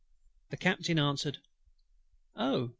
The Captain answered: "Oh!